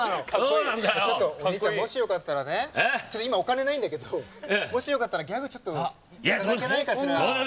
もしよかったらちょっと、今、お金ないんだけどもしよかったら、ギャグいただけないかしら？